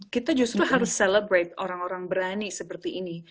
kita justru harus celebrate orang orang berani seperti ini